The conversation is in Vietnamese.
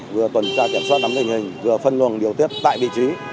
vừa tuần tra kiểm soát đám lệnh hình vừa phân luồng điều tiết tại vị trí